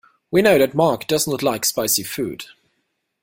We know that Mark does not like spicy food.